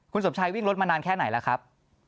คุณสมชัยวิ่งรถมานานแค่ไหนล่ะครับ